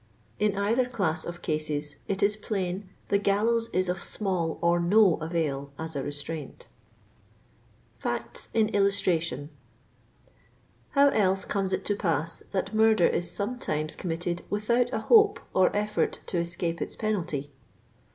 In either class of cases it is plain the gallows is of small or no avail as a restraint. FACTS IN ILLUSTRATION. How else comes it to pass that murder is sometimes committed without a hope or effort to escape its penalty